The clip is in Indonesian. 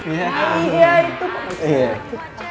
iya itu bagus itu relatif